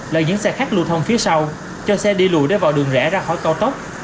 là những xe khác lưu thông phía sau cho xe đi lùi để vào đường rẽ ra khỏi cao tốc